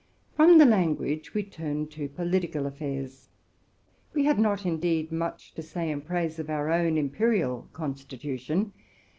From the language we turned to political affairs. We had not, indeed, much to say in praise of our own imperial constitution.